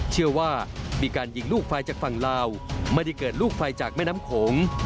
เชื่อว่ามีการยิงลูกไฟจากฝั่งลาวไม่ได้เกิดลูกไฟจากแม่น้ำโขง